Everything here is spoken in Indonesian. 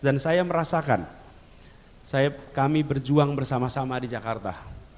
dan saya merasakan kami berjuang bersama sama di jakarta